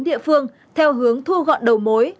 địa phương theo hướng thu gọn đầu mối